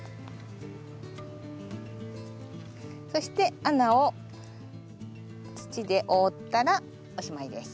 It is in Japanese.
そして穴を土で覆ったらおしまいです。